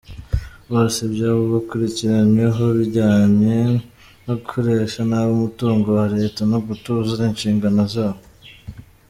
Bose ibyaha bakurikiranyweho bijyanye no gukoresha nabi umutungo wa Leta no kutuzuza inshingano zabo.